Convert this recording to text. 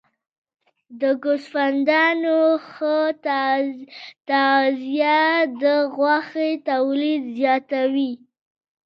د ګوسفندانو ښه تغذیه د غوښې تولید زیاتوي.